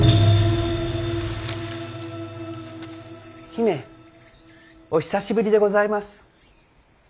姫お久しぶりでございます。